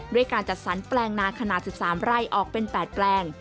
ด้วยการจัดสรรแปลงนาขนาด๑๓ไร่ออกเป็น๘แปลง